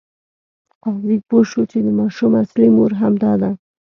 قاضي پوه شو چې د ماشوم اصلي مور همدا ده.